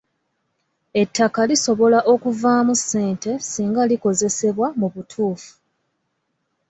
Ettaka lisobola okuvaamu ssente singa likozesebwa mu butuufu.